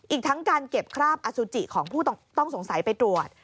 อีกทั้งการเก็บคราบอสุจิของผู้ต้องสงสัยไปตรวจ